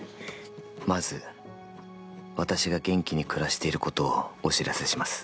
まず、私が元気に暮らしていることをお知らせします。